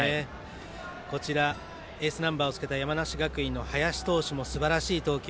こちらエースナンバーをつけた山梨学院の林投手もすばらしい投球